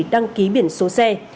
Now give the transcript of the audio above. đăng ký biển số xe